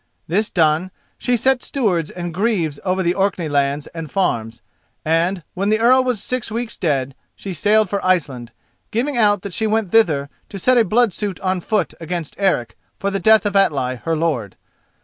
This done, she set stewards and grieves over the Orkney lands and farms, and, when the Earl was six weeks dead, she sailed for Iceland, giving out that she went thither to set a blood suit on foot against Eric for the death of Atli, her lord.